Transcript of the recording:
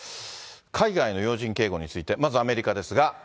海外の要人警護について、まずアメリカですが。